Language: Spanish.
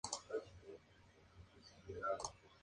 El ataque de esa nacionalidad que siguió fue brutal.